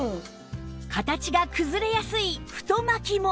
形が崩れやすい太巻きも